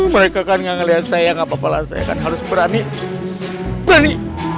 mereka kan nggak ngelihat saya nggak papa lah saya kan harus berani berani